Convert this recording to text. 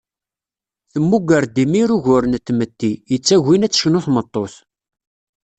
Tmugger-d imir ugur n tmetti, yettagin ad tecnu tmeṭṭut.